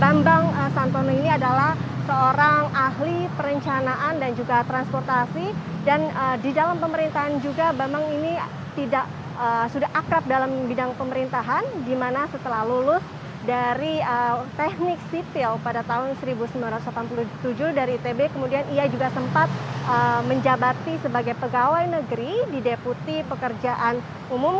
bambang sutantono ini adalah seorang ahli perencanaan dan juga transportasi dan di dalam pemerintahan juga bambang ini sudah akrab dalam bidang pemerintahan dimana setelah lulus dari teknik sipil pada tahun seribu sembilan ratus delapan puluh tujuh dari itb kemudian ia juga sempat menjabati sebagai pegawai negeri di deputi pekerjaan umum